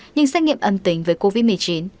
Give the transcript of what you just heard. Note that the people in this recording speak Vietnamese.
nhưng xét nghiệm âm tính với covid một mươi chín